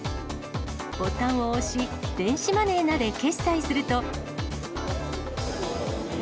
ボタンを押し、電子マネーなどで決済すると。